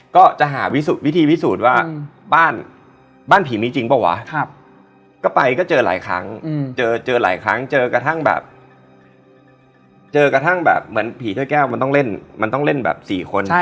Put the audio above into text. เราไปทิ้งของอะไรตรงไหนหรือเปล่า